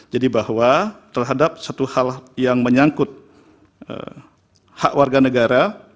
jadi bahwa terhadap suatu hal yang menyangkut hak warga negara